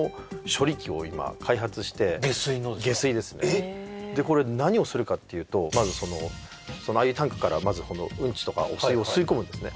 彼らがこれ何をするかっていうとまずああいうタンクからうんちとか汚水を吸い込むんですね